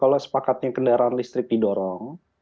kalau sepakatnya kendaraan listrik didorong